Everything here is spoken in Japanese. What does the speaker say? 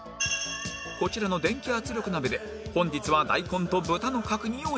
こちらの電気圧力鍋で本日は大根と豚の角煮を調理